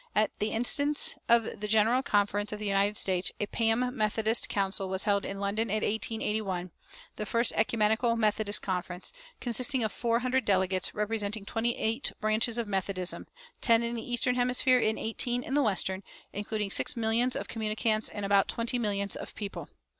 At the instance of the General Conference of the United States, a Pam Methodist Council was held in London in 1881, "the first Ecumenical Methodist Conference," consisting of four hundred delegates, representing twenty eight branches of Methodism, ten in the eastern hemisphere and eighteen in the western, including six millions of communicants and about twenty millions of people.